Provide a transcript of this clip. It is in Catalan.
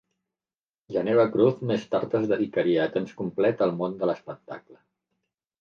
Geneva Cruz més tard es dedicaria a temps complet al món de l'espectacle.